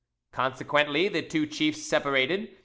Consequently, the two chiefs separated.